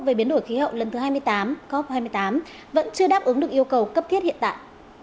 về biến đổi khí hậu lần thứ hai mươi tám cop hai mươi tám vẫn chưa đáp ứng được yêu cầu cấp thiết hiện tại